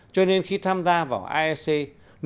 cho nên khi tham gia vào asean